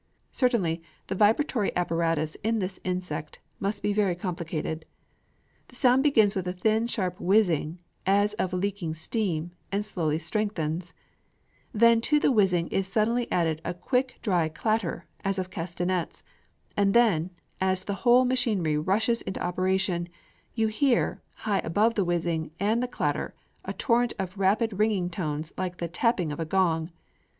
Certainly the vibratory apparatus in this insect must be very complicated. The sound begins with a thin sharp whizzing, as of leaking steam, and slowly strengthens; then to the whizzing is suddenly added a quick dry clatter, as of castanets; and then, as the whole machinery rushes into operation, you hear, high above the whizzing and the clatter, a torrent of rapid ringing tones like the tapping of a gong.